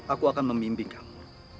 aku akan memimpin kamu